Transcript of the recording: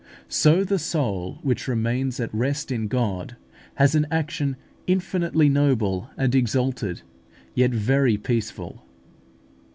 So the soul which remains at rest in God has an action infinitely noble and exalted, yet very peaceful.